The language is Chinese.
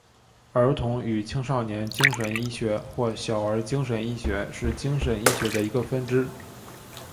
儿童与青少年精神医学或小儿精神医学是精神医学的一个分支。